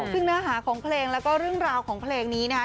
ซึ่งเนื้อหาของเพลงแล้วก็เรื่องราวของเพลงนี้นะครับ